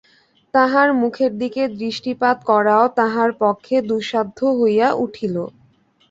তাহার মুখের দিকে দৃষ্টিপাত করাও তাঁহার পক্ষে দুঃসাধ্য হইয়া উঠিল।